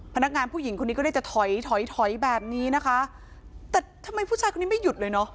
พนักงานผู้หญิงคนนี้ก็ได้จะถอยถอยถอยถอยแบบนี้นะคะแต่ทำไมผู้ชายคนนี้ไม่หยุดเลยเนอะ